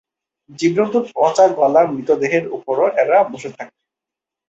জীবজন্তুর পচা গলা মৃত দেহের উপরও এরা বসে থাকে।